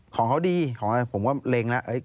ของเขาดีของอะไรผมก็เล็งแล้ว